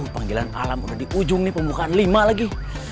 panggilan alam udah di ujung nih pembukaan lima lagi